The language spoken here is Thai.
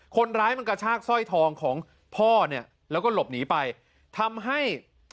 คนร้ายมันกระชากสร้อยทองของพ่อเนี่ยแล้วก็หลบหนีไปทำให้